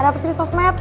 ada apa sih di sosmed